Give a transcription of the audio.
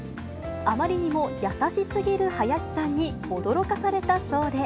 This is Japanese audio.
あまりにも優しすぎる林さんに、驚かされたそうで。